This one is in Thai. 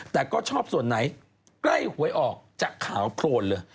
แต่ก็ชอบส่วนไหนใกล้หวยออกจะขาวโครนเลย